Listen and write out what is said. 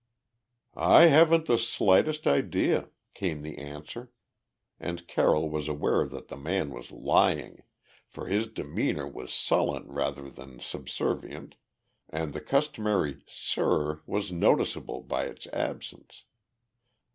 "I haven't the slightest idea," came the answer, and Carroll was aware that the man was lying, for his demeanor was sullen rather than subservient and the customary "sir" was noticeable by its absence.